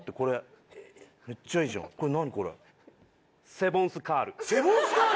セボンスカール。